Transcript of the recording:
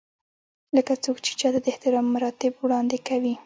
لکه څوک چې چاته د احترام مراتب وړاندې کوي.